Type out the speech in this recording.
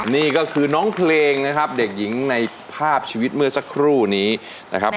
นี่ก็คือน้องเพลงนะครับเด็กหญิงในภาพชีวิตเมื่อสักครู่นี้นะครับ